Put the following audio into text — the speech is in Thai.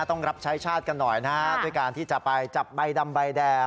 ต้องรับใช้ชาติกันหน่อยนะฮะด้วยการที่จะไปจับใบดำใบแดง